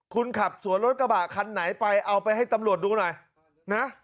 คุณขับสวนรถกระบะคันไหนไปเอาไปให้ตำรวจดูหน่อยนะ